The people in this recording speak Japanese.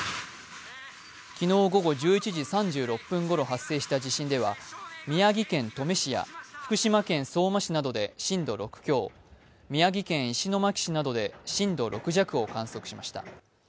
昨日午後１１時３６分ごろの地震では宮城県登米市や福島県相馬市などで震度６強宮城県石巻市などで震度６弱を観測しました。